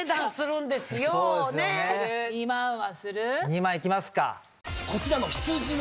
２万いきますか。